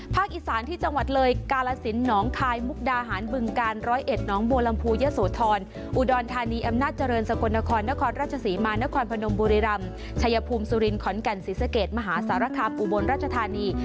อีสานที่จังหวัดเลยกาลสินหนองคายมุกดาหารบึงกาล๑๐๑น้องบัวลำพูยะโสธรอุดรธานีอำนาจเจริญสกลนครนครราชศรีมานครพนมบุรีรำชัยภูมิสุรินขอนแก่นศรีสะเกดมหาสารคามอุบลราชธานี